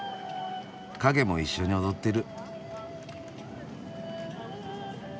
影も一緒に踊ってる。